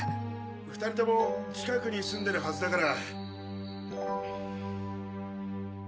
２人とも近くに住んでるはずだから。